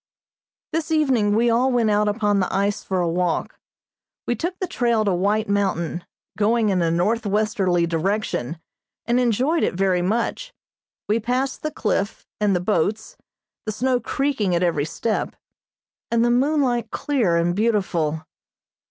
This evening we all went out upon the ice for a walk. We took the trail to White Mountain, going in a northwesterly direction, and enjoyed it very much. We passed the cliff, and the boats, the snow creaking at every step, and the moonlight clear and beautiful.